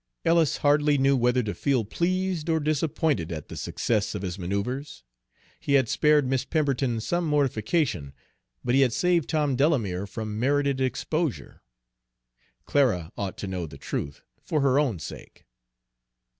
Ellis hardly knew whether to feel pleased or disappointed at the success of his manoeuvres. He had spared Miss Pemberton some mortification, but he had saved Tom Delamere from merited exposure. Clara ought to know the truth, for her own sake.